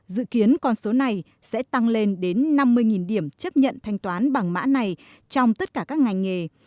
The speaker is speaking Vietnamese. dự kiến con số này sẽ tăng lên đến năm mươi điểm chấp nhận thanh toán bằng mã này trong tất cả các ngành nghề